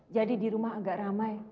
jadi di rumah agak ramai